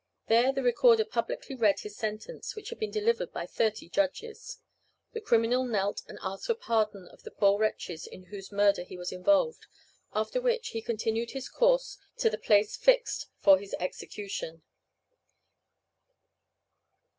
There the recorder publicly read his sentence, which had been delivered by thirty judges. The criminal knelt and asked pardon of the poor wretches in whose murder he was involved, after which he continued his course to the place fixed for his execution.